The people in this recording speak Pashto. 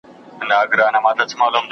¬ توري نورو ځوانانو ووهلې، منصب سدو وخوړ.